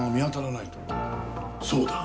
そうだ。